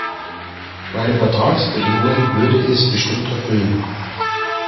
Meine Vertragsbedingungen würde es bestimmt erfüllen.